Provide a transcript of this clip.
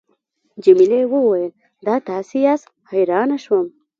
جميلې وويل:: دا تاسي یاست، حیرانه شوم.